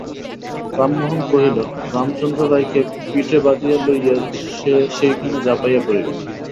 রামমোহন কহিল, রামচন্দ্র রায়কে পিঠে বাঁধিয়া লইয়া সে সেইখানে ঝাঁপাইয়া পড়িবে।